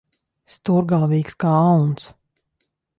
Stūrgalvīgs kā auns.